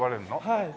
はい。